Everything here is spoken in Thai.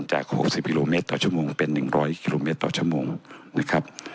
จาก๖๐กิโลเมตรต่อชั่วโมงเป็น๑๐๐กิโลเมตรต่อชั่วโมงนะครับ